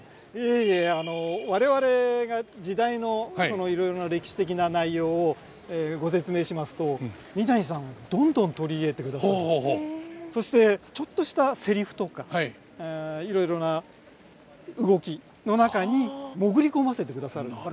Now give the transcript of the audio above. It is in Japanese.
いえいえ我々が時代のそのいろいろな歴史的な内容をご説明しますと三谷さんどんどん取り入れてくださってそしてちょっとしたセリフとかいろいろな動きの中に潜り込ませてくださるので。